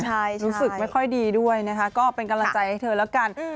รู้สึกไม่ค่อยดีด้วยนะคะก็เป็นกำลังใจให้เธอแล้วกัน